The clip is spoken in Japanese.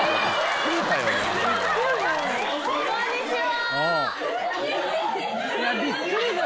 こんにちは！